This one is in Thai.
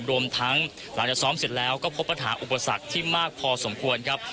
รวมทั้งหลังจากซ้อมเสร็จแล้วก็พบปัญหาอุปสรรคที่มากพอสมควรครับ